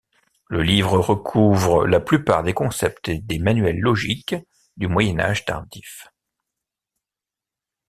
Le livre recouvre la plupart des concepts des manuels logiques du Moyen Âge tardif.